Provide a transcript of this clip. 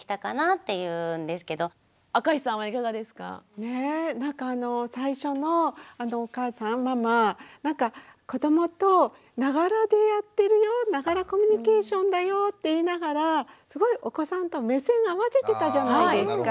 ねえなんか最初のお母さんママなんか「子どもとながらでやってるよながらコミュニケーションだよ」って言いながらすごいお子さんと目線合わせてたじゃないですか。